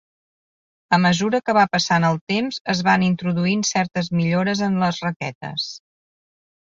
A mesura que va passant el temps es van introduint certes millores en les raquetes.